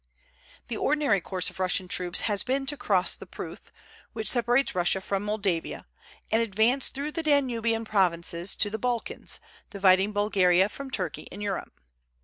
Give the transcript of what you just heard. The ordinary course of Russian troops has been to cross the Pruth, which separates Russia from Moldavia, and advance through the Danubian provinces to the Balkans, dividing Bulgaria from Turkey in Europe.